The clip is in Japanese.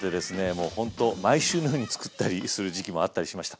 もうほんと毎週のように作ったりする時期もあったりしました。